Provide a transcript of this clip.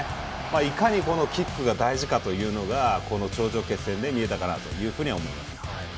いかにキックが大事かというのが頂上決戦で見えたかなというふうに思います。